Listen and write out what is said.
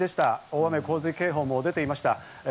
大雨洪水警報も出ていました。